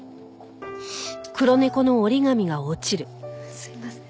すいません。